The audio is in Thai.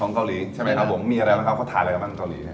ของเกาหลีใช่ไหมครับมีอะไรบ้างครับเขาถ่ายอะไรบ้างของเกาหลี